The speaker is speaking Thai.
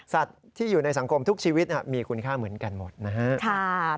ที่อยู่ในสังคมทุกชีวิตมีคุณค่าเหมือนกันหมดนะครับ